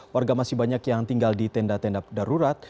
warga masih banyak yang tinggal di tenda tenda darurat